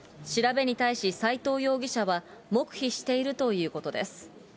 調べに対し斎藤容疑者は、黙秘しているということです。